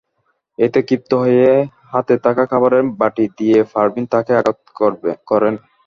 এতে ক্ষিপ্ত হয়ে হাতে থাকা খাবারের বাটি দিয়ে পারভীন তাঁকে আঘাত করেন।